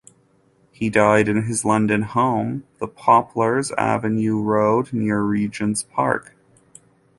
He died in his London home, 'The Poplars', Avenue Road, near Regent's Park.